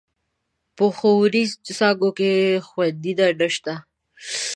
په ښوونيزو څانګو کې خونديينه نشته.